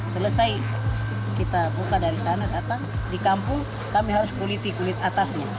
selesai kita buka dari sana datang di kampung kami harus kuliti kulit atasnya